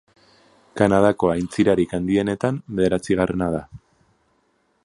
Kanadako aintzirarik handienetan bederatzigarrena da.